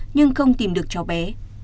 nhưng không tìm được cháu bé